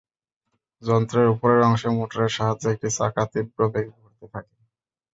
যন্ত্রের ওপরের অংশে মোটরের সাহায্যে একটি চাকা তীব্র বেগে ঘুরতে থাকে।